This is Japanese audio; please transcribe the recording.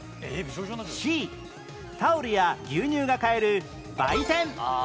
Ｃ タオルや牛乳が買える売店ああ。